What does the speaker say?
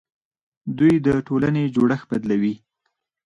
دوی د ټولنې جوړښت بدلوي.